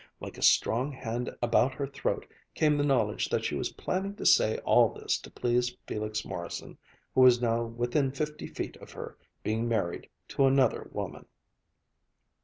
Like a strong hand about her throat came the knowledge that she was planning to say all this to please Felix Morrison, who was now within fifty feet of her, being married to another woman.